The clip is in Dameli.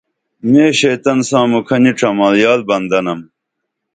میں شیطن ساں مُکھ نی ڇمال یال بندہ نم